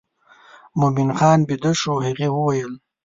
مومن خان بېده شو هغې وویل.